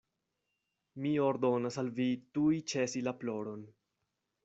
"Mi ordonas al vi tuj ĉesi la ploron."